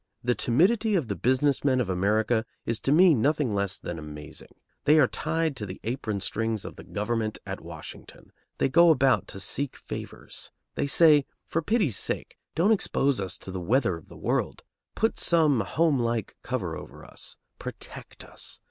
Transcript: The timidity of the business men of America is to me nothing less than amazing. They are tied to the apron strings of the government at Washington. They go about to seek favors. They say: "For pity's sake, don't expose us to the weather of the world; put some homelike cover over us. Protect us.